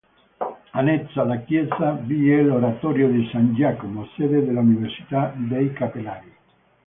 Annesso alla chiesa vi è l'Oratorio di San Giacomo, sede dell'università dei Cappellari.